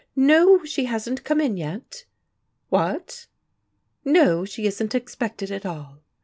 "No, she hasn't come in yet. What? No: she isn't expected at all.